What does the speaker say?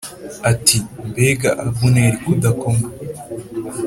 ati “Mbega Abuneri ko udakoma!”